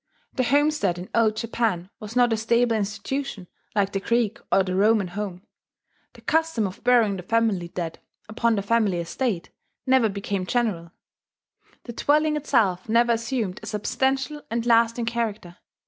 The homestead in Old Japan was not a stable institution like the Greek or the Roman home; the custom of burying the family dead upon the family estate never became general; the dwelling itself never assumed a substantial and lasting character.